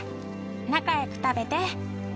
仲良く食べて。